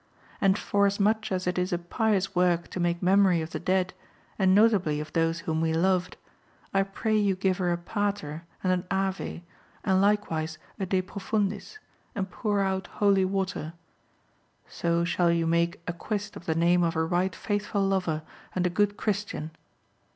And forasmuch as it is a pious work to make memory of the dead, and notably of those whom we loved, I pray you give her a pater and an ave, and likewise a de profundis, and pour out holy water. So shall you make acquist of the name of a right faithful lover and a good Christian."